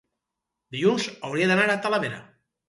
dilluns hauria d'anar a Talavera.